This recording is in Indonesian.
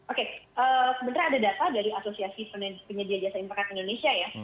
oke sebenarnya ada data dari asosiasi penyedia jasa impakat indonesia ya